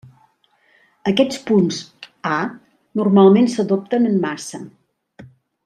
Aquests punts “A” normalment s'adopten en massa.